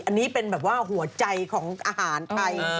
อันนี้เป็นหัวใจของอาหารไทย